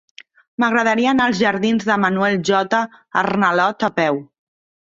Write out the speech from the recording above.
M'agradaria anar als jardins de Manuel J. Arnalot a peu.